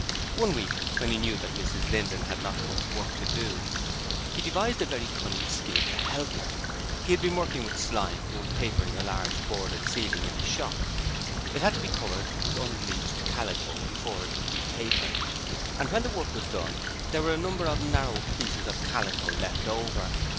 One week when he knew that Mrs Linden had not had much work to do, he devised a very cunning scheme to help her. He had been working with Slyme, who was papering a large boarded ceiling in a shop. It had to be covered with unbleached calico before it could be papered and when the work was done there were a number of narrow pieces of calico left over.